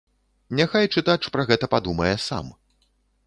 Няхай чытач пра гэта падумае сам.